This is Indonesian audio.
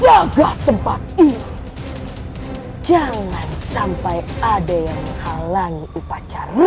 jaga tempat ini jangan sampai ada yang menghalangi upacara